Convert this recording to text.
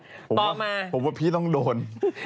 ปอมมาพี่หนุ่มเงียบมากผมว่าพี่ต้องโดน